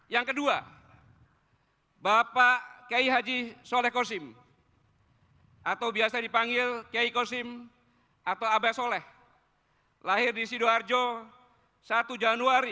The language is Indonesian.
yang kedua bapak kei haji soleh kossim atau biasa dipanggil kei kossim atau aba soleh lahir di sidoarjo satu januari seribu sembilan ratus tiga puluh